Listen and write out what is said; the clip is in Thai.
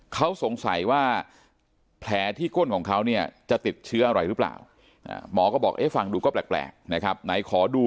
เขาสงสัยว่าแผลที่ก้นของเขาเนี่ยจะติดเชื้ออะไรหรือเปล่าหมอก็บอกเอ๊ะฟังดูก็แปลกนะครับไหนขอดู